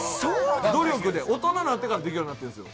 努力で、大人になってからできるようになったんですよ。